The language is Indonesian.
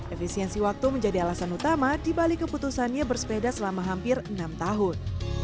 efisiensi waktu menjadi alasan utama dibalik keputusannya bersepeda selama hampir enam tahun